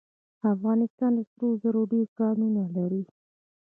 افغانستان د سرو زرو ډیر کانونه لري.